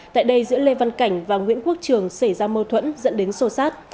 tại đây giữa lê văn cảnh và nguyễn quốc trường xảy ra mâu thuẫn dẫn đến sô sát